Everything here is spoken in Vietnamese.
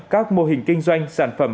các mô hình kinh doanh sản phẩm